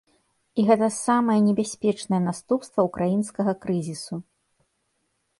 І гэта самае небяспечнае наступства ўкраінскага крызісу.